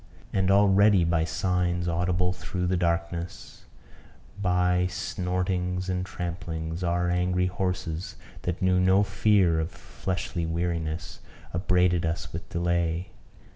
And already, by signs audible through the darkness, by snortings and tramplings, our angry horses, that knew no fear of fleshly weariness, upbraided us with delay.